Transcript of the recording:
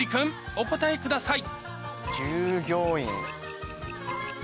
お答えください